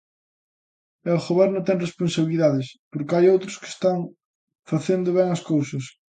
E o Goberno ten responsabilidades, porque hai outros que están facendo ben as cousas.